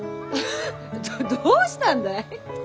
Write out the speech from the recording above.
フッどうしたんだい？